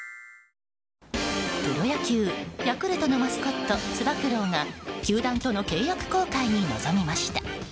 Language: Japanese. プロ野球ヤクルトのマスコットつば九郎が球団との契約更改に臨みました。